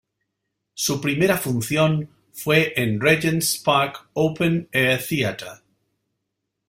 Su primera función fue en Regent's Park Open Air Theatre.